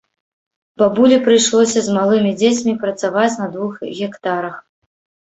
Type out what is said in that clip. Бабулі прыйшлося з малымі дзецьмі працаваць на двух гектарах.